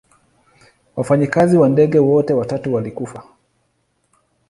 Wafanyikazi wa ndege wote watatu walikufa.